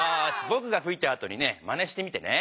ぼくがふいたあとにねまねしてみてね。